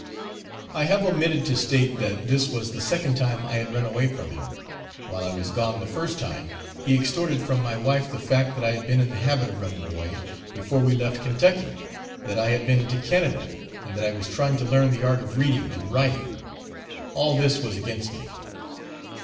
I have omitted to state that this was the second time I had run away from him; while I was gone the first time, he extorted from my wife the fact that I had been in the habit of running away, before we left Kentucky; that I had been to Canada, and that I was trying to learn the art of reading and writing. All this was against me.